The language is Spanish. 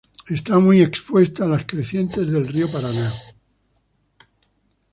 Está muy expuesta a las crecientes del río Paraná.